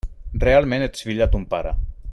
Realment ets fill de ton pare.